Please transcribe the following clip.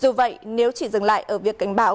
dù vậy nếu chỉ dừng lại ở việc cảnh báo